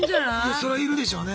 そらいるでしょうね。ね！